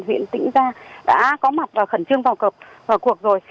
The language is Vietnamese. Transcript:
các ủy chính quyền huyện tỉnh ra đã có mặt khẩn trương vào cuộc rồi